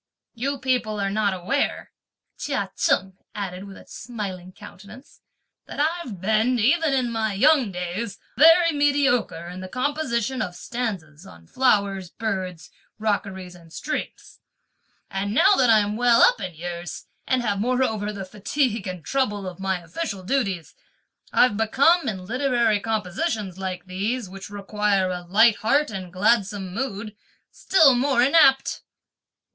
"You people are not aware," Chia Cheng added with a smiling countenance, "that I've been, even in my young days, very mediocre in the composition of stanzas on flowers, birds, rockeries and streams; and that now that I'm well up in years and have moreover the fatigue and trouble of my official duties, I've become in literary compositions like these, which require a light heart and gladsome mood, still more inapt.